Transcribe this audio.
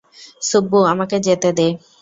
সু্ব্বু, আমাকে যেতে দে।